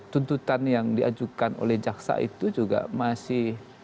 tuntutan yang diajukan oleh jaksa itu juga masih